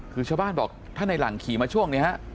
คือชาวบ้านบอกถ้าในหลังขี่มาช่วงนี้ฮะ